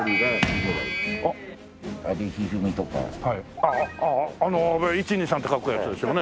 あの阿部一二三って書くやつですよね。